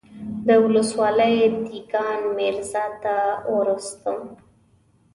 د ولسوالۍ دېګان ميرزا ته وروستم.